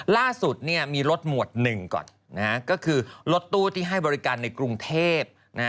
ล่าสุดมีรถหมวดหนึ่งก่อนก็คือรถตู้ที่ให้บริการในกรุงเทพ